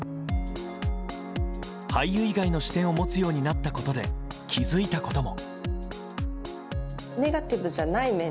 俳優以外の視点を持つようになったことで気づいたことも。